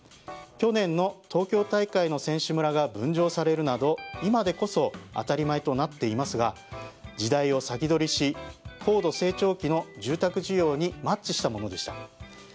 去年の東京大会の選手村が分譲されるなど今でこそ当たり前となっていますが時代を先取りし、高度成長期の住宅需要にマッチしたものでした。